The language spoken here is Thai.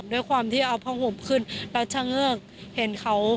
ด้วยความที่เอาผ้าหบขึ้นแล้วช่างเอก